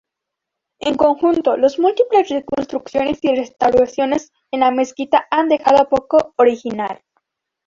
En conjunto, las múltiples reconstrucciones y restauraciones de la mezquita han dejado poco original.